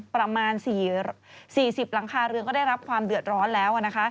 ประมาณ๔๐หลังคาเรือนก็ได้รับความเดือดร้อนแล้วนะคะ